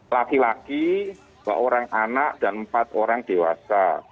laki laki dua orang anak dan empat orang dewasa